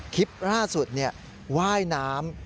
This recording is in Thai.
คลิปล่าสุดเนี่ยว่ายน้ำ